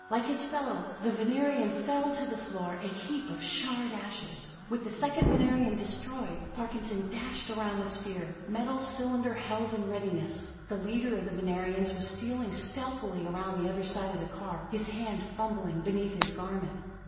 Like his fellow, the Venerian fell to the floor, a heap of charred ashes. With the second Venerian destroyed, Parkinson dashed around the sphere, metal cylinder held in readiness. The leader of the Venerians was stealing stealthily around the other side of the car, his hand fumbling beneath his garment.